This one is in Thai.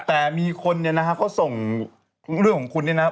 แต่มีคนเนี่ยนะฮะเขาส่งเรื่องของคุณเนี่ยนะ